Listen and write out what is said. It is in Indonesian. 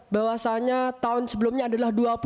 bahwasannya tahun sebelumnya adalah